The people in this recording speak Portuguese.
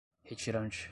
retirante